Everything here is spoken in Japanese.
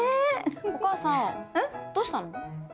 お母さんどうしたの？